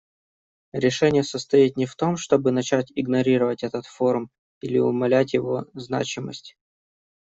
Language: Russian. Решение состоит не в том, чтобы начать игнорировать этот форум или умалять его значимость.